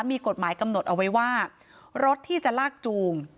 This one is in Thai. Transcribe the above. มีกฎหมายกำหนดเอาไว้ว่ารถที่จะลากจูง